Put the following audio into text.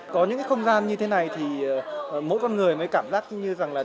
có những cái không gian như thế này thì mỗi con người mới cảm giác như rằng là